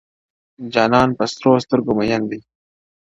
جانان پر سرو سترګو مین دی-